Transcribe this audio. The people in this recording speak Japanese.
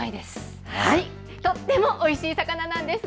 とってもおいしい魚なんです。